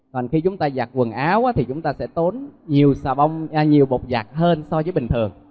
còn khi chúng ta giặt quần áo thì chúng ta sẽ tốn nhiều bột giặt hơn so với bình thường